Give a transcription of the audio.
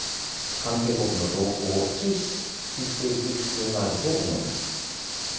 関係国の動向を注視していく必要があると思います。